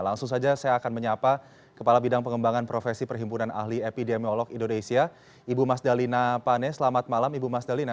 langsung saja saya akan menyapa kepala bidang pengembangan profesi perhimpunan ahli epidemiolog indonesia ibu mas dalina pane selamat malam ibu mas dalina